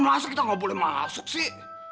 masa kita nggak boleh masuk sih